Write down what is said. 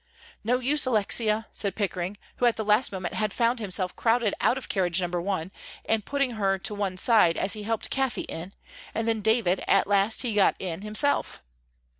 "No use, Alexia," said Pickering, who at the last moment had found himself crowded out of carriage number one, and putting her to one side as he helped Cathie in, and then David, at last he got in himself.